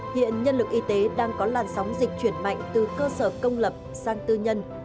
hiện nhân lực y tế đang có làn sóng dịch chuyển mạnh từ cơ sở công lập sang tư nhân